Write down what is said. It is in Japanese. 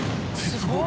すごい！